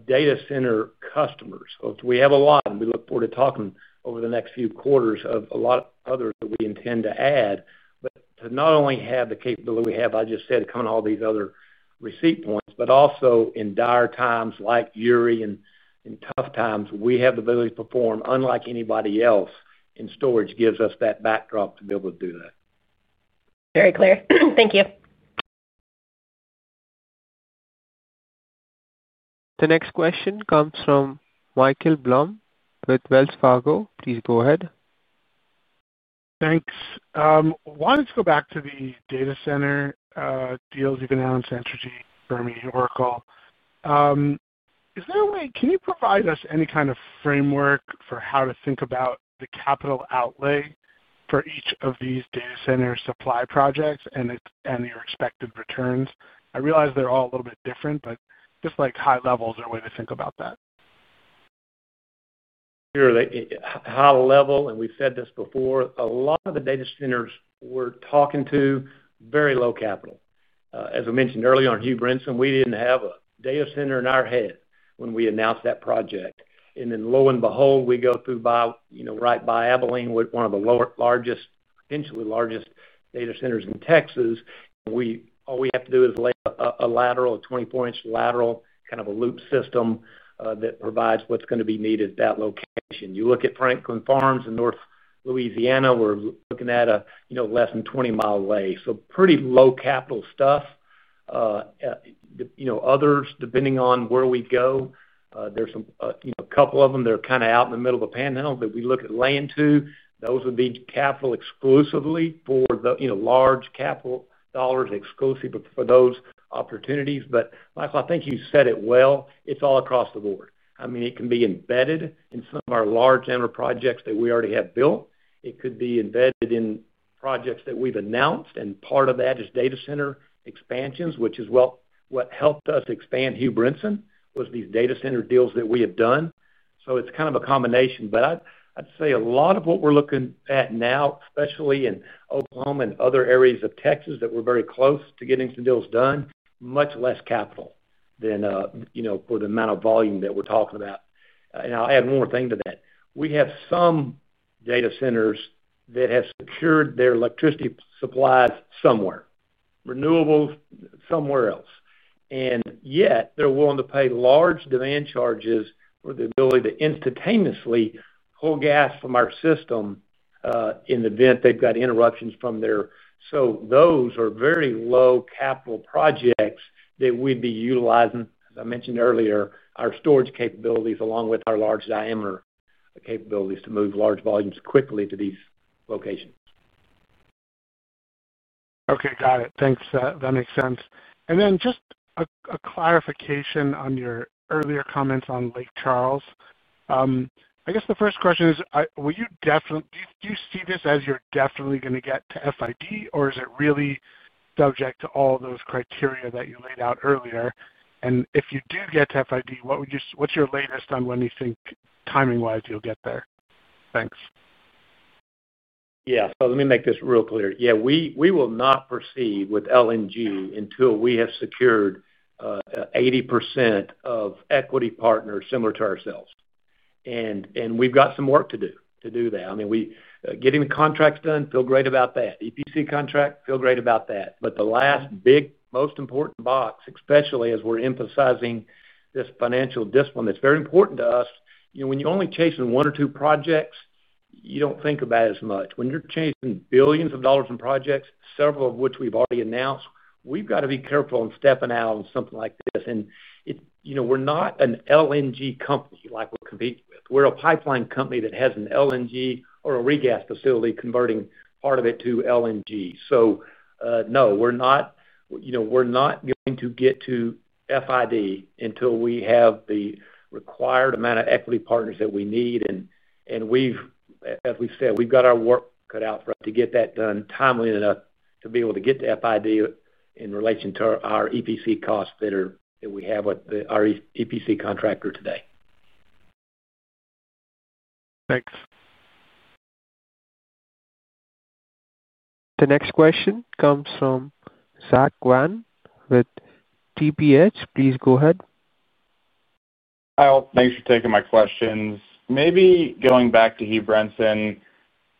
data center customers. We have a lot, and we look forward to talking over the next few quarters of a lot of others that we intend to add. To not only have the capability we have, I just said, to come on all these other receipt points, but also in dire times like [Erie] and tough times, we have the ability to perform unlike anybody else in storage, gives us that backdrop to be able to do that. Very clear. Thank you. The next question comes from Michael Blum with Wells Fargo. Please go ahead. Thanks. Why don't you go back to the data center. Deals you've announced Entergy, Berman, Oracle. Is there a way can you provide us any kind of framework for how to think about the capital outlay for each of these data center supply projects and your expected returns? I realize they're all a little bit different, but just high levels or a way to think about that. Sure. High level, and we've said this before, a lot of the data centers we're talking to, very low capital. As I mentioned earlier on Hugh Brinson, we didn't have a data center in our head when we announced that project. And then lo and behold, we go through right by Abilene, one of the largest, potentially largest data centers in Texas. All we have to do is lay a lateral, a 24-inch lateral, kind of a loop system that provides what's going to be needed at that location. You look at Franklin Farms in North Louisiana, we're looking at less than 20 mi away. Pretty low capital stuff. Others, depending on where we go, there's a couple of them that are kind of out in the middle of a Panhandle. We look at Landt, those would be capital exclusively for the large capital dollars, exclusively for those opportunities. Michael, I think you said it well. It's all across the board. I mean, it can be embedded in some of our large downward projects that we already have built. It could be embedded in projects that we've announced. Part of that is data center expansions, which is what helped us expand Hugh Brinson, was these data center deals that we have done. It is kind of a combination. I would say a lot of what we are looking at now, especially in Oklahoma and other areas of Texas that we are very close to getting some deals done, is much less capital than for the amount of volume that we are talking about. I will add one more thing to that. We have some data centers that have secured their electricity supplies somewhere, renewables somewhere else. Yet, they are willing to pay large demand charges for the ability to instantaneously pull gas from our system in the event they have interruptions from there. Those are very low capital projects that we'd be utilizing, as I mentioned earlier, our storage capabilities along with our large diameter capabilities to move large volumes quickly to these locations. Okay. Got it. Thanks. That makes sense. Just a clarification on your earlier comments on Lake Charles. I guess the first question is, do you see this as you're definitely going to get to FID, or is it really subject to all those criteria that you laid out earlier? If you do get to FID, what's your latest on when you think timing-wise you'll get there? Thanks. Yeah. Let me make this real clear. Yeah, we will not proceed with LNG until we have secured 80% of equity partners similar to ourselves. We've got some work to do to do that. I mean, getting the contracts done, feel great about that. EPC contract, feel great about that. The last big, most important box, especially as we're emphasizing this financial discipline that's very important to us, when you're only chasing one or two projects, you don't think about it as much. When you're chasing billions of dollars in projects, several of which we've already announced, we've got to be careful in stepping out on something like this. We're not an LNG company like we're competing with. We're a pipeline company that has an LNG or a regas facility converting part of it to LNG. No, we're not going to get to FID until we have the required amount of equity partners that we need. As we said, we've got our work cut out for us to get that done timely enough to be able to get to FID in relation to our EPC costs that we have with our EPC contractor today. Thanks. The next question comes from Zack Van with TPH. Please go ahead. Hi. Thanks for taking my questions. Maybe going back to Hugh Brinson.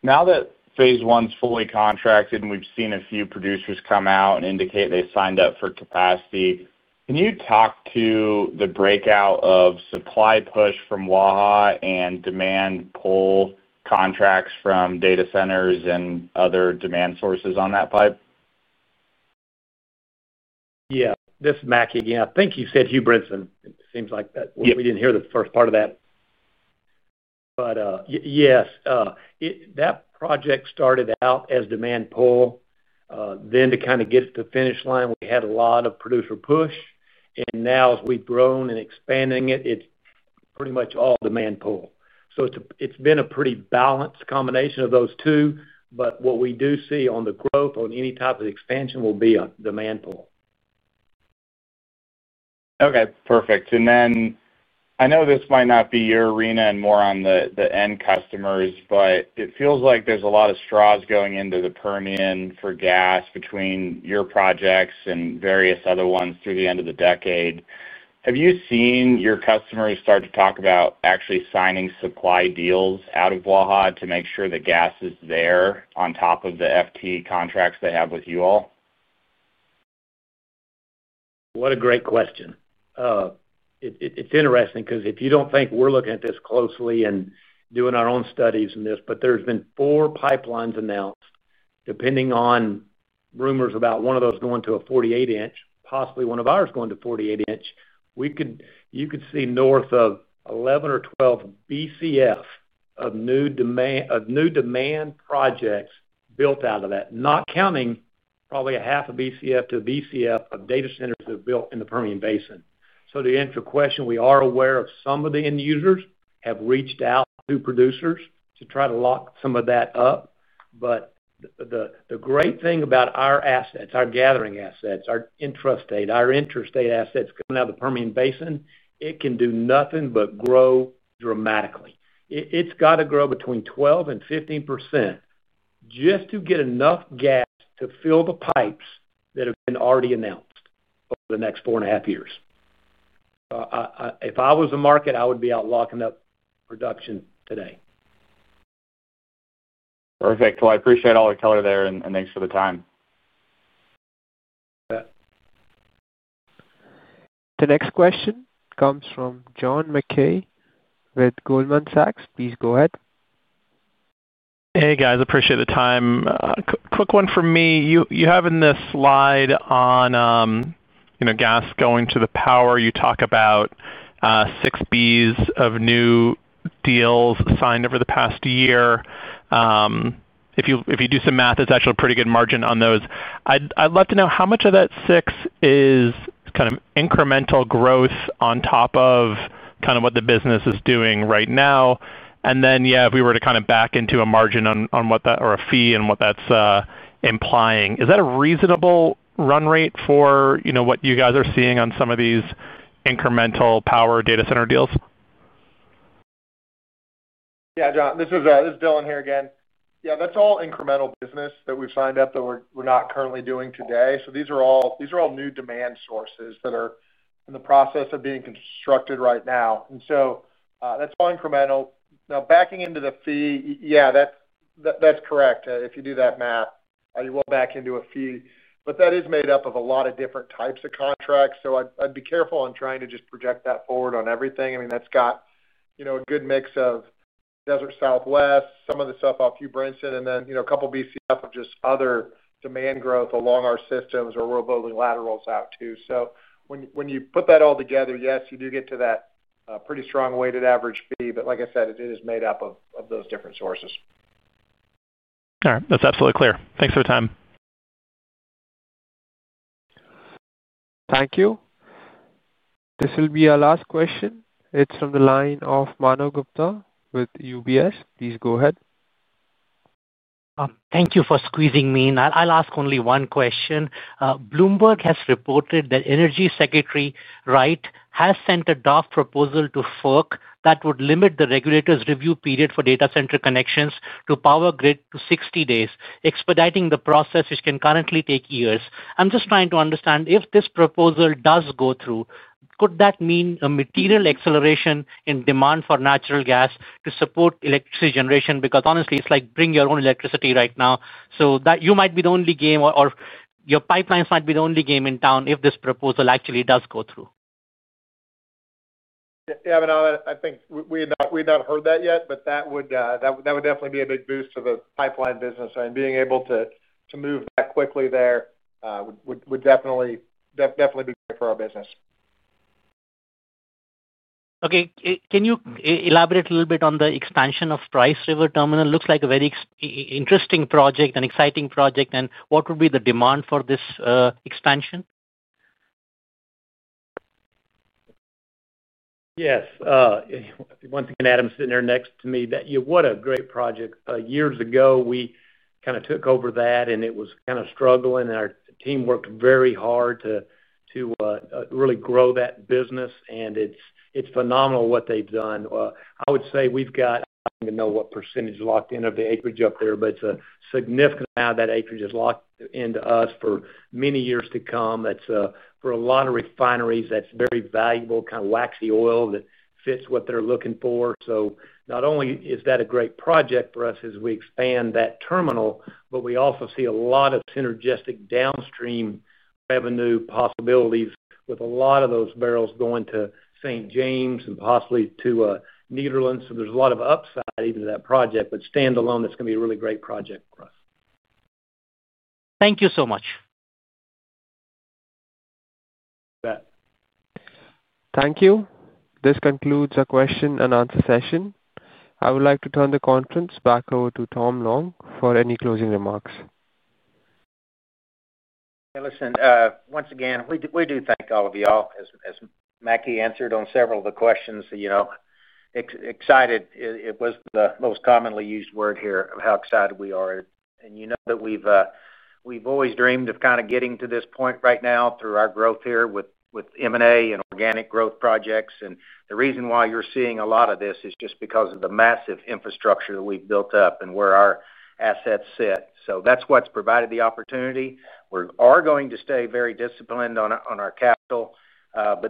Now that phase I's fully contracted and we've seen a few producers come out and indicate they signed up for capacity, can you talk to the breakout of supply push from Waha and demand pull contracts from data centers and other demand sources on that pipe? Yeah. This is Mackie again. I think you said Hugh Brinson. It seems like we didn't hear the first part of that. But yes. That project started out as demand pull. To kind of get it to the finish line, we had a lot of producer push. And now, as we've grown and expanding it, it's pretty much all demand pull. It has been a pretty balanced combination of those two. What we do see on the growth on any type of expansion will be a demand pull. Okay. Perfect. I know this might not be your arena and more on the end customers, but it feels like there's a lot of straws going into the Permian for gas between your projects and various other ones through the end of the decade. Have you seen your customers start to talk about actually signing supply deals out of Waha to make sure the gas is there on top of the FT contracts they have with you all? What a great question. It's interesting because if you don't think we're looking at this closely and doing our own studies in this, but there's been four pipelines announced. Depending on rumors about one of those going to a 48-inch, possibly one of ours going to 48-inch, you could see north of 11 or 12 Bcf of new demand projects built out of that, not counting probably 0.5 Bcf to 1 Bcf of data centers that are built in the Permian Basin. To answer your question, we are aware some of the end users have reached out to producers to try to lock some of that up. The great thing about our assets, our gathering assets, our intrastate, our interstate assets going out of the Permian Basin, it can do nothing but grow dramatically. It's got to grow between 12% and 15%. Just to get enough gas to fill the pipes that have been already announced over the next four and a half years. If I was the market, I would be out locking up production today. Perfect. I appreciate all the color there and thanks for the time. The next question comes from John Mackay with Goldman Sachs. Please go ahead. Hey, guys. Appreciate the time. Quick one for me. You have in this slide on gas going to the power. You talk about six Bs of new deals signed over the past year. If you do some math, it's actually a pretty good margin on those. I'd love to know how much of that six is kind of incremental growth on top of kind of what the business is doing right now. Yeah, if we were to kind of back into a margin on what that or a fee and what that's implying, is that a reasonable run rate for what you guys are seeing on some of these incremental power data center deals? Yeah, John, this is Dylan here again. Yeah, that's all incremental business that we've signed up that we're not currently doing today. These are all new demand sources that are in the process of being constructed right now, and that's all incremental. Now, backing into the fee, yeah, that's correct. If you do that math, you will back into a fee. That is made up of a lot of different types of contracts, so I'd be careful on trying to just project that forward on everything. I mean, that's got a good mix of Desert Southwest, some of the stuff off Hugh Brinson, and then a couple of Bcf of just other demand growth along our systems where we're building laterals out too. When you put that all together, yes, you do get to that pretty strong weighted average fee. Like I said, it is made up of those different sources. All right. That's absolutely clear. Thanks for the time. Thank you. This will be our last question. It's from the line of Manav Gupta with UBS. Please go ahead. Thank you for squeezing me in. I'll ask only one question. Bloomberg has reported that Energy Secretary Wright has sent has sent a DOT proposal to FERC that would limit the regulator's review period for data center connections to power grid to 60 days, expediting the process, which can currently take years. I'm just trying to understand if this proposal does go through, could that mean a material acceleration in demand for natural gas to support electricity generation? Because honestly, it's like bring your own electricity right now. You might be the only game or your pipelines might be the only game in town if this proposal actually does go through. Yeah. I mean, I think we had not heard that yet, but that would definitely be a big boost to the pipeline business. Being able to move that quickly there would definitely be great for our business. Okay. Can you elaborate a little bit on the expansion of Price River Terminal? Looks like a very interesting project, an exciting project. What would be the demand for this expansion? Yes. Once again, Adam's sitting there next to me. What a great project. Years ago, we kind of took over that, and it was kind of struggling. Our team worked very hard to really grow that business. It is phenomenal what they have done. I would say we have got—I do not even know what percentage locked in of the acreage up there—but it is a significant amount of that acreage that is locked into us for many years to come. For a lot of refineries, that is very valuable, kind of waxy oil that fits what they are looking for. Not only is that a great project for us as we expand that terminal, we also see a lot of synergistic downstream revenue possibilities with a lot of those barrels going to St. James and possibly to Nederland. There is a lot of upside even to that project. Standalone, that is going to be a really great project for us. Thank you so much. Thank you. This concludes our question-and-answer session. I would like to turn the conference back over to Tom Long for any closing remarks. Listen, once again, we do thank all of y'all. As Mackie answered on several of the questions. Excited was the most commonly used word here of how excited we are. And you know that we've always dreamed of kind of getting to this point right now through our growth here with M&A and organic growth projects. The reason why you're seeing a lot of this is just because of the massive infrastructure that we've built up and where our assets sit. That's what's provided the opportunity. We are going to stay very disciplined on our capital.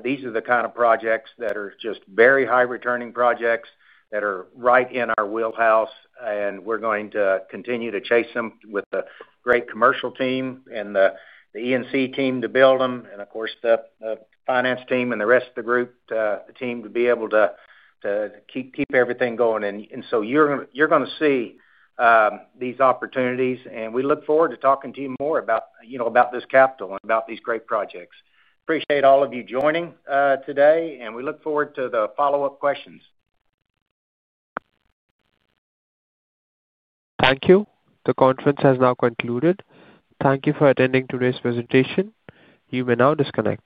These are the kind of projects that are just very high-returning projects that are right in our wheelhouse. We are going to continue to chase them with a great commercial team and the E&C team to build them. Of course, the finance team and the rest of the group, the team to be able to keep everything going. You are going to see these opportunities. We look forward to talking to you more about this capital and about these great projects. Appreciate all of you joining today. We look forward to the follow-up questions. Thank you. The conference has now concluded. Thank you for attending today's presentation. You may now disconnect.